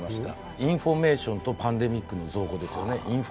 インフォメーションとパンデミックの造語ですよね。